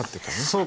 そう。